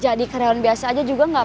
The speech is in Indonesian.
jadi karyawan biasa aja juga gak apa apa